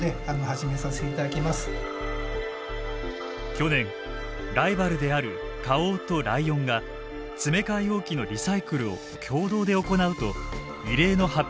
去年ライバルである花王とライオンが詰め替え容器のリサイクルを協働で行うと異例の発表を行いました。